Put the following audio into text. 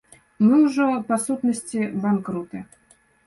Мы ўжо, па сутнасці, банкруты.